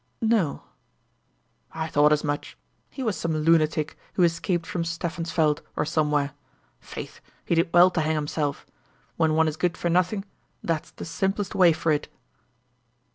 "No." "I thought as much. He was some lunatic who escaped from Stefansfeld or somewhere Faith, he did well to hang himself. When one is good for nothing, that's the simplest way for it."